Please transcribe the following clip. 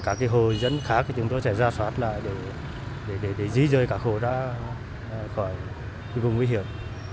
cả cái hồ dân khác chúng tôi sẽ ra soát lại để di rời cả khổ ra khỏi vùng nguy hiểm